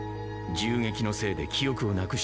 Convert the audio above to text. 銃撃のせいで記憶をなくした。